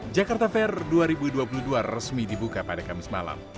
jakarta fair dua ribu dua puluh dua resmi dibuka pada kamis malam